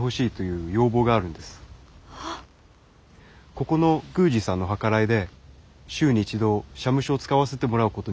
ここの宮司さんの計らいで週に一度社務所を使わせてもらうことになりました。